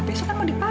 besoknya mau dipasang